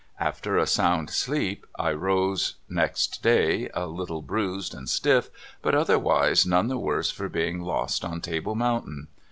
After a sound sleep, I rose next day a little bruised and stiff, but otherwise none the worse for being lost on Table Mountain.